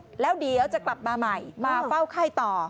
เปลี่ยนชุดแล้วเดี๋ยวจะกลับมาใหม่มาเฝ้าไข้ต่อ